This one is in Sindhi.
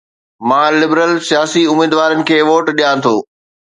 مان لبرل سياسي اميدوارن کي ووٽ ڏيان ٿو